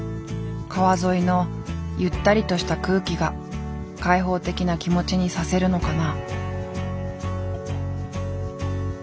川沿いのゆったりとした空気が開放的な気持ちにさせるのかな。